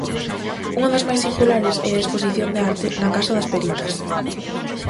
Unha das máis singulares é a exposición de arte na "Casa das Peritas".